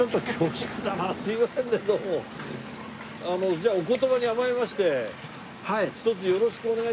じゃあお言葉に甘えましてひとつよろしくお願い致します。